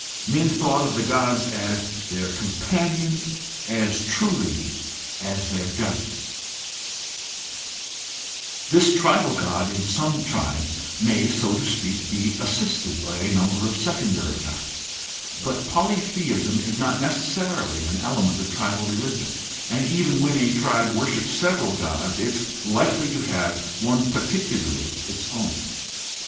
Men thought of the gods as their companions as truly as their judges. 42 GUIDE TO STUDY OF CHRISTIAN RELIGION This tribal god in some tribes may, so to speak, be assisted by a number of secondary gods, but polytheism is not neces sarily an element of tribal religion, and even when a tribe worships several gods it is likely to have one particularly its own.